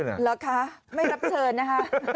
เหรอคะไม่รับเชิญนะคะ